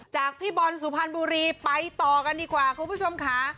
พี่บอลสุพรรณบุรีไปต่อกันดีกว่าคุณผู้ชมค่ะ